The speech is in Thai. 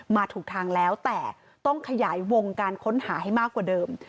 ถูกทางแล้วแต่ต้องขยายวงการค้นหาให้มากกว่าเดิม